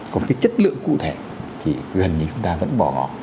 còn cái chất lượng cụ thể thì gần như chúng ta vẫn bỏ